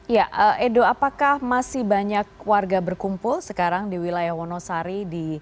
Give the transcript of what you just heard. ya edo apakah masih banyak warga berkumpul sekarang di wilayah wonosari